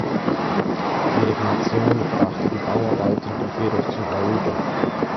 Die Reformation brachte die Bauarbeiten jedoch zum Erliegen.